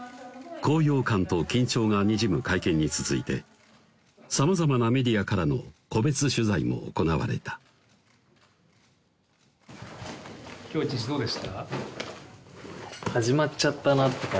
高揚感と緊張がにじむ会見に続いてさまざまなメディアからの個別取材も行われた今日一日どうでした？